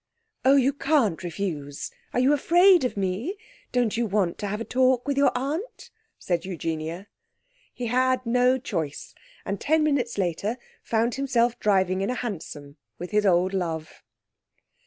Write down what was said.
'Oh, you can't refuse! Are you afraid of me? Don't you want to have a talk with your aunt?' said Eugenia. He had no choice, and ten minutes later found himself driving in a hansom with his old love.